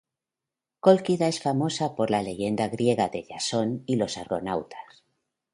Cólquida es famosa por la leyenda griega de Jasón y los argonautas.